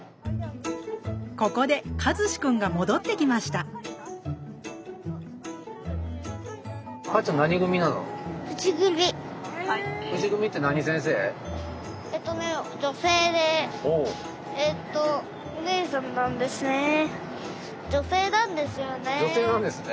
ここで和志くんが戻ってきましたえっとね女性なんですね。